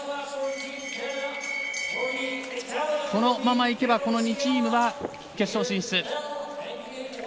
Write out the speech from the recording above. このままいけばこの２チームは決勝進出。